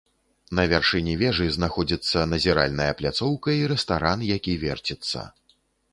На вяршыні вежы знаходзіцца назіральная пляцоўка і рэстаран, які верціцца.